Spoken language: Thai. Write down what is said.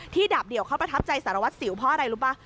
ดาบเดี่ยวเขาประทับใจสารวัตรสิวเพราะอะไรรู้ป่ะ